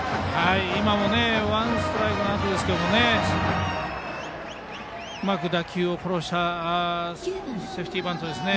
今もワンストライクのあとですけどうまく打球を殺したセーフティーバントですね。